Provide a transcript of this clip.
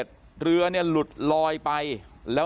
พี่บูรำนี้ลงมาแล้ว